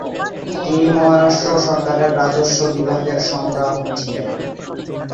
তিনি মহারাষ্ট্র সরকারের রাজস্ব বিভাগের সংগ্রাহক ছিলেন।